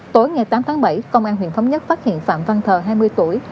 tối ngày tám tháng bảy công an huyện thống nhất phát hiện phạm văn thờ hai mươi tuổi